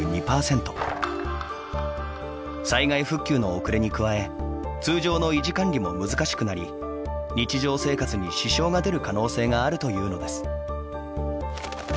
災害復旧の遅れに加え通常の維持管理も難しくなり日常生活に支障が出る可能性があるというのです。